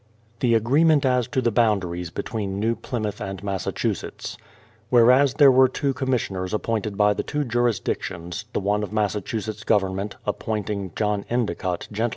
The agreement as to the boundaries between New Plymouth and Massachusetts: Whereas there were two commissioners appointed by the two jurisdictions ; the one of Massachusetts Government, appointing John Endicott, gent.